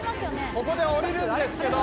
ここで降りるんですけど。